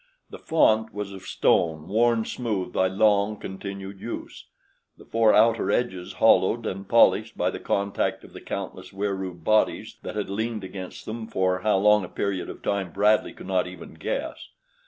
The font was of stone worn smooth by long continued use, the four outer edges hollowed and polished by the contact of the countless Wieroo bodies that had leaned against them for how long a period of time Bradley could not even guess.